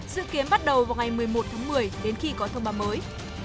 dự kiến bắt đầu vào ngày một mươi một tháng một mươi đến khi có thông báo mới